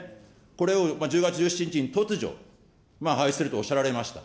これを１０月１７日に突如、廃止するとおっしゃられました。